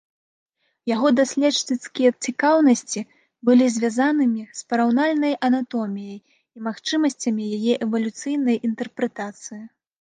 Яго даследчыцкія цікаўнасці былі звязанымі з параўнаўчай анатоміяй і магчымасцямі яе эвалюцыйнай інтэрпрэтацыі.